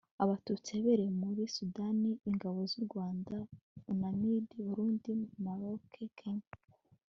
Abatutsi yabereye muri Sudan Ingabo z u Rwanda UNAMID Burundi Maroc Kenya